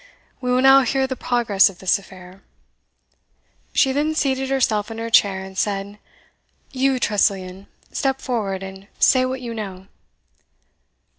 We will now hear the progress of this affair." She then seated herself in her chair, and said, "You, Tressilian, step forward, and say what you know."